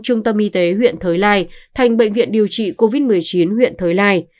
trung tâm y tế huyện thới lai thành bệnh viện điều trị covid một mươi chín huyện thới lai